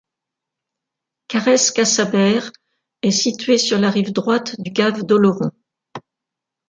Carresse-Cassaber est située sur la rive droite du gave d'Oloron.